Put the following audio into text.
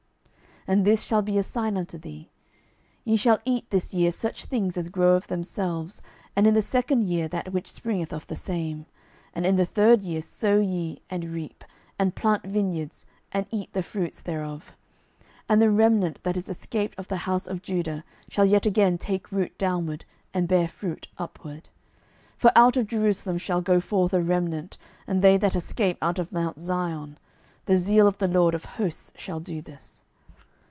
12:019:029 And this shall be a sign unto thee, Ye shall eat this year such things as grow of themselves, and in the second year that which springeth of the same; and in the third year sow ye, and reap, and plant vineyards, and eat the fruits thereof. 12:019:030 And the remnant that is escaped of the house of Judah shall yet again take root downward, and bear fruit upward. 12:019:031 For out of Jerusalem shall go forth a remnant, and they that escape out of mount Zion: the zeal of the LORD of hosts shall do this.